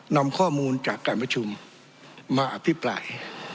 นำข้อมูลจากการพจมมาอภิบร์ปลาย